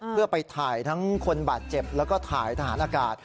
เพื่อไปถ่ายทั้งคนบาดเจ็บแล้วก็ถ่ายทหารอากาศ